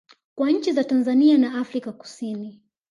kwa nchi za Tanzania na Afrika kusini